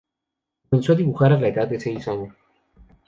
Comenzó a dibujar a la edad de seis años.